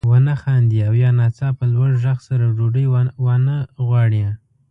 ونه خاندي او یا ناڅاپه لوړ غږ سره ډوډۍ وانه غواړي.